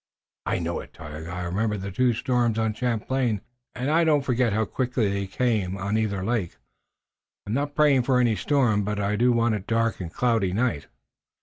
"I know it, Tayoga. I remember the two storms on Champlain, and I don't forget how quickly they can come on either lake. I'm not praying for any storm, but I do want a dark and cloudy night."